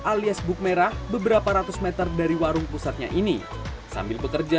alias buk merah beberapa ratus meter dari warung pusatnya ini sambil bekerja